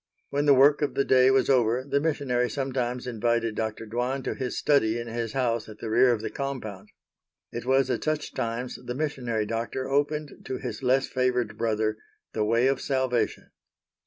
When the work of the day was over the missionary sometimes invited Dr. Dwan to his study in his house at the rear of the compound. It was at such times the missionary doctor opened to his less favored brother the way of Salvation.